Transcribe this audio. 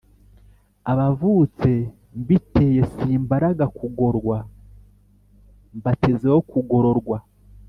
Abavutse mbiteye Simbaraga kugorwa Bantezeho kugororwa ?